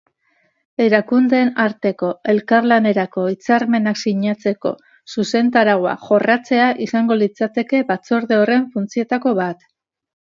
Erakundeen arteko elkarlanerako hitzarmenak sinatzeko zuzentarauak jorratzea izango litzateke batzorde horren funtzioetako bat.